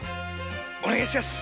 お願いします。